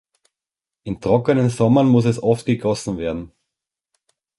In trockenen Sommern muss es oft gegossen werden.